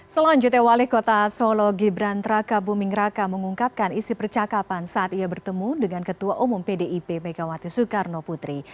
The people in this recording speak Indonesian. selanjutnya wali kota solo gibran traka buming raka mengungkapkan isi percakapan saat ia bertemu dengan ketua umum pdip megawati soekarno putri